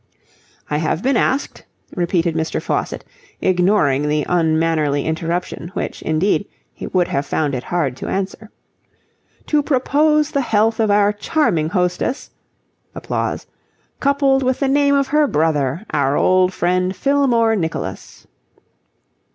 "I have been asked," repeated Mr. Faucitt, ignoring the unmannerly interruption, which, indeed, he would have found it hard to answer, "to propose the health of our charming hostess, coupled with the name of her brother, our old friend Fillmore Nicholas."